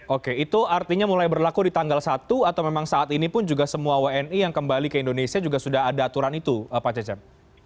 oke itu artinya mulai berlaku di tanggal satu atau memang saat ini pun juga semua wni yang kembali ke indonesia juga sudah ada aturan itu pak cecep